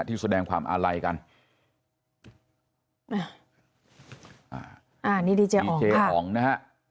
ที่แสดงความอาไลกันอ่านี่ดีเจอ๋อ๋อค่ะดีเจอ๋อ๋อค่ะ